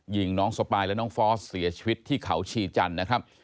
ยิงน้องสปายและน้องฟอสเสียชีวิตที่เขาชีจันทร์นะครับ